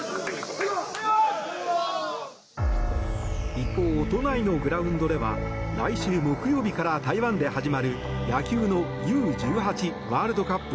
一方、都内のグラウンドでは来週木曜日から台湾で始まる野球のＵ−１８ワールドカップ